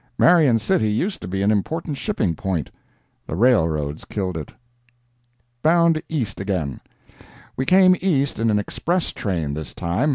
Marion City used to be an important shipping point. The railroads killed it." BOUND EAST AGAIN We came East in an express train this time.